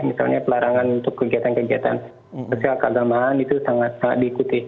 misalnya pelarangan untuk kegiatan kegiatan sosial keagamaan itu sangat sangat diikuti